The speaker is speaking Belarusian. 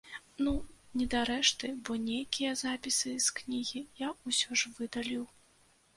Ну, не дарэшты, бо нейкія запісы з кнігі я ўсё ж выдаліў.